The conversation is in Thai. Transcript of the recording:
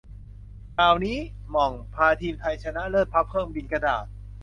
ข่าวนี้ - หม่อง พาทีมไทยชนะเลิศพับเครื่องบินกระดาษ